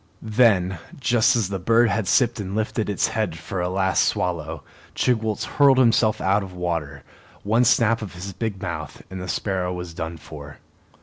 Then, just as the bird had sipped and lifted its head for a last swallow, Chigwooltz hurled himself out of water. One snap of his big mouth, and the sparrow was done for.